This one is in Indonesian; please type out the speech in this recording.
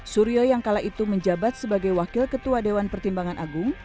suryo yang kala itu menjabat sebagai wakil ketua dewan pertimbangan agung